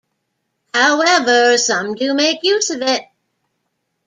However, some do make use of it.